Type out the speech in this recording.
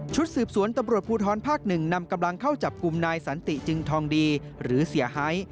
สืบสวนตำรวจภูทรภาค๑นำกำลังเข้าจับกลุ่มนายสันติจึงทองดีหรือเสียหาย